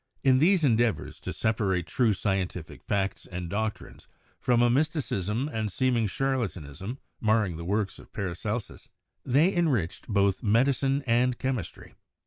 In these endeavors to separate true scientific facts and doc trines from a mysticism and seeming charlatanism mar ring the works of Paracelsus, they enriched both medi cine and chemistry.